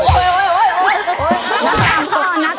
นักตามข้อ